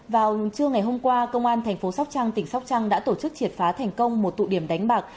vào trưa ngày hôm qua công an thành phố sóc trăng tỉnh sóc trăng đã tổ chức triệt phá thành công một tụ điểm đánh bạc